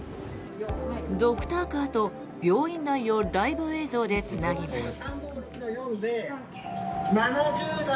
ドクターカーと病院内をライブ映像でつなぎます。